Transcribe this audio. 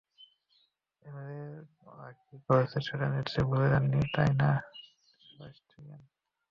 এমিলের ওরা কি করেছে, সেটা নিশ্চয় ভুলে যাননি, তাই না, সেবাস্টিয়ান?